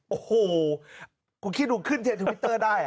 โอ้โหคุณคิดดูขึ้นเทรนทวิตเตอร์ได้